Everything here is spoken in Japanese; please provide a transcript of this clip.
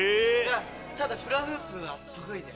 ただフラフープは得意で。